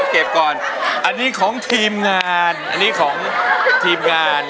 เก็บก่อนอันนี้ของทีมงานอันนี้ของทีมงาน